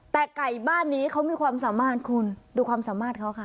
แต่ไก่บ้านนี้เขามีความสามารถคุณดูความสามารถเขาค่ะ